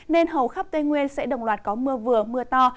nên hầu khắp tây nguyên sẽ đồng loạt có mưa vừa mưa to